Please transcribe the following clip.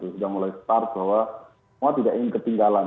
sudah mulai start bahwa semua tidak ingin ketinggalan